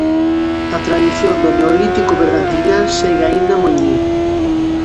A tradición do Neolítico bergantiñán segue aínda moi vivo.